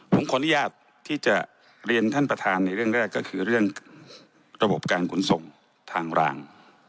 ผมขออนุญาตที่จะเรียนท่านประธานในเรื่องแรกก็คือเรื่องระบบการขนส่งทางราง